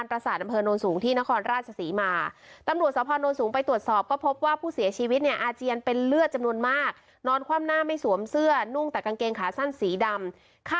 พ่อเท่าคนนี้ชื่อหน้ายสงเหยอมสังเมืองอายุ๗๔ปีนะคะ